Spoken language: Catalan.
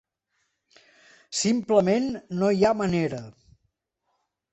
Simplement no hi ha manera.